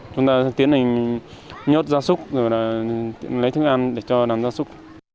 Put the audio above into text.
chúng ta tiến hành nhớt gia súc rồi là lấy thức ăn để cho đàn gia súc